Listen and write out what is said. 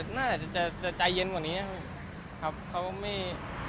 น่าจะใจเย็นแน่หรืออะไร